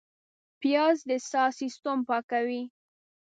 پیاز د ساه سیستم پاکوي